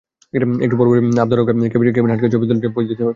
একটু পরপরই আবদার রক্ষায় কেভিন হার্টকে ছবি তোলার জন্য পোজ দিতে হচ্ছে।